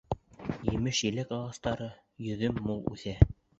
Емеш-еләк ағастары, йөҙөм мул үҫә.